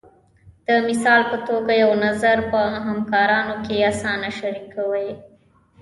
د مثال په توګه یو نظر په همکارانو کې اسانه شریکوئ.